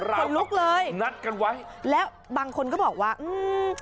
ขนลุกเลยแล้วบางคนก็บอกว่าอื้ม